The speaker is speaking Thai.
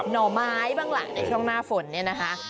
ห่อไม้บ้างล่ะในช่วงหน้าฝนเนี่ยนะคะ